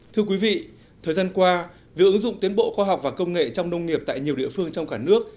thưa quý vị thời gian qua việc ứng dụng tiến bộ khoa học và công nghệ trong nông nghiệp tại nhiều địa phương trong cả nước